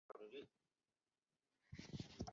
青铜鼎是中国青铜器最重要的器形之一。